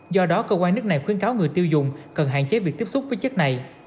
do đó cơ quan nước này khuyến cáo người tiêu dùng cần hạn chế việc tiếp xúc với chất này